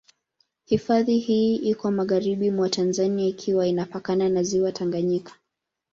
Hifadhi hii iko magharibi mwa Tanzania ikiwa inapakana na Ziwa Tanganyika.